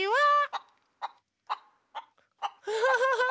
フフフフ！